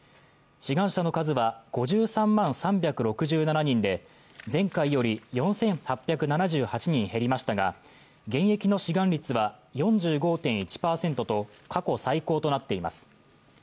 志願者の数は５３万３６７人で前回より４８７８人減りましたが現役の志願率は４５．１％と過去最高となっています。